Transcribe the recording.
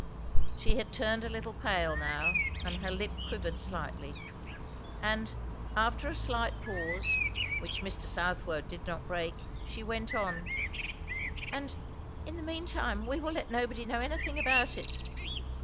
She had turned a little pale now, and her lip quivered slightly. And after a slight pause, which Mr. Southwode did not break, she went on, "And, in the mean time, we will let nobody know anything about it."